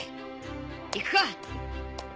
行くか？